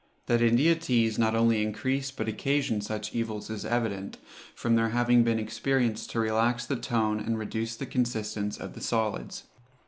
That India teas not only increase but occasion such evils is evident, from their having been experienced to relax the tone and reduce the consistence of the solids.